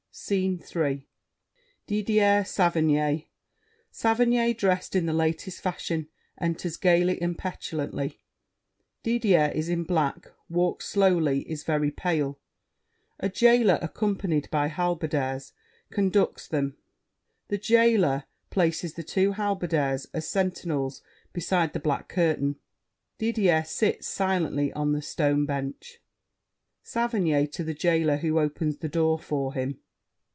SCENE III Didier, Saverny. Saverny, dressed in the latest fashion, enters gayly and petulantly. Didier is in black, walks slowly, is very pale. A jailer accompanied by Halberdiers conducts them. The Jailer places the two Halberdiers as sentinels beside the black curtain. Didier sits, silently, on the stone bench SAVERNY (to The Jailer, who opens the door for him).